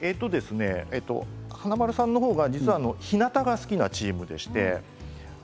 華丸さんの方は実はひなたが好きなチームです。